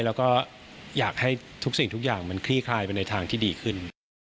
แล้วก็อยากให้ทุกสิ่งทุกอย่างมันคลี่คลายไปในทางที่ดีขึ้น